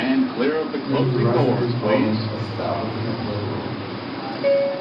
He was derisively called an 'establishment liberal'.